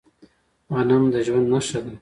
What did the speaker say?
غنم د ژوند نښه ده.